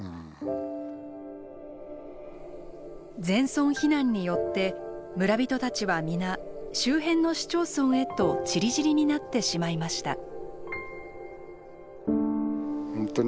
全村避難によって村人たちは皆周辺の市町村へとちりぢりになってしまいました。